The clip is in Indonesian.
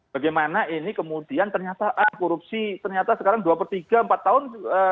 bagaimana ini kemudian ternyata korupsi ternyata sekarang dua per tiga empat tahun